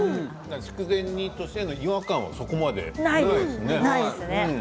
筑前煮としての違和感はそこまでないですね。